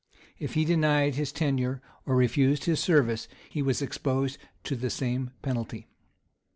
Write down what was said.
[*] If he denied his tenure, or refused his service, he was exposed to the same penalty.